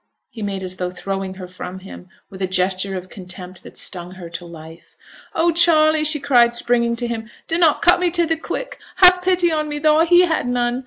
He made as though throwing her from him, with a gesture of contempt that stung her to life. 'Oh, Charley!' she cried, springing to him, 'dunnot cut me to the quick; have pity on me, though he had none.